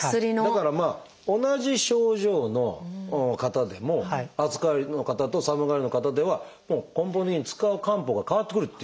だから同じ症状の方でも暑がりの方と寒がりの方ではもう根本的に使う漢方が変わってくるっていう。